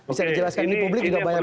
oke ini perlu saya sampaikan begini